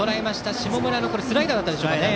下村のスライダーだったでしょうか。